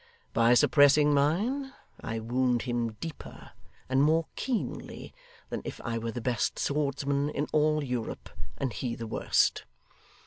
By suppressing mine, I wound him deeper and more keenly than if I were the best swordsman in all Europe, and he the worst.